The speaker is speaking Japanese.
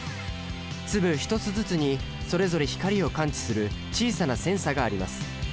粒一つずつにそれぞれ光を感知する小さなセンサがあります。